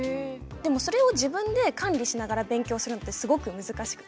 でもそれを自分で管理しながら勉強するのってすごく難しくて。